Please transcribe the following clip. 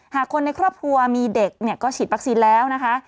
หากคนในครอบครัวมีเด็กเนี่ยก็ฉีดวัคซีนแล้วนะคะ